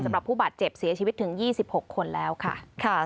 สำหรับผู้บาดเจ็บเสียชีวิตถึง๒๖คนแล้วค่ะ